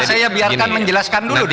saya biarkan menjelaskan dulu